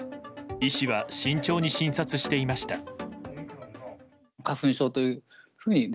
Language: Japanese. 医師が慎重に診察していました。